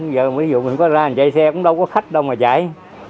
bây giờ mình có ra chạy xe cũng đâu có khách đâu mà chạy